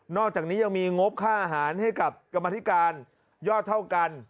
อกจากนี้ยังมีงบค่าอาหารให้กับกรรมธิการยอดเท่ากัน